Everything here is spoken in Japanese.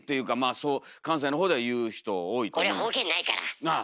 そう関西の方では言う人多いと思いますよ。